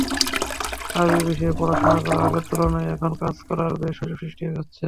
আরবি বিষয়ে পড়াশোনা করে আগের তুলনায় এখন কাজ করার বেশ সুযোগ সৃষ্টি হচ্ছে।